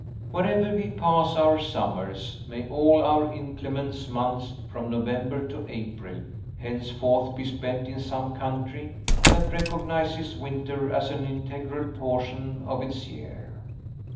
Wherever we pass our summers, may all our inclement months, from November to April, henceforth be spent in some country that recognizes winter as an integral portion of its year!